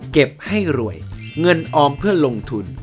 เก็บให้รวยเงินออมเพื่อลงทุน